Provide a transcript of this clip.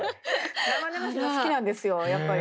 生々しいの好きなんですよやっぱり。